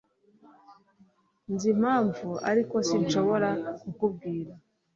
Nzi impamvu ariko sinshobora kukubwira